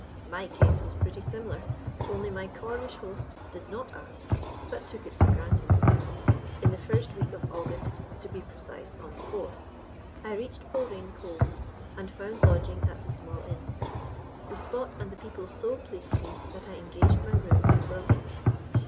My case was pretty similar, only my Cornish hosts did not ask, but took it for granted. "In the first week of August to be precise, on the 4th I reached Polreen Cove, and found lodging at the small inn. The spot and the people so pleased me that I engaged my rooms for a week.